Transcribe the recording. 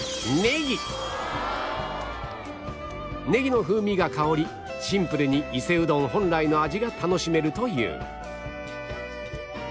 ネギの風味が香りシンプルに伊勢うどん本来の味が楽しめるという